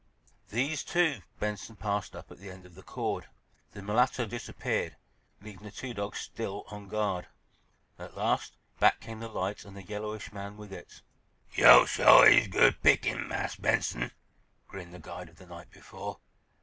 These, too, Benson passed up at the end of the cord. The mulatto disappeared, leaving the two dogs still on guard. At last, back came the light and the yellowish man with it. "Yo' sho' is good picking, Marse Benson," grinned the guide of the night before.